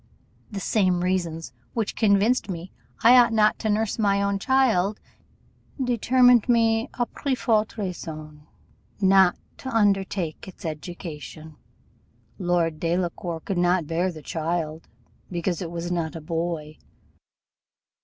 The same reasons which convinced me I ought not to nurse my own child, determined me, à plus forte raison, not to undertake its education. Lord Delacour could not bear the child, because it was not a boy.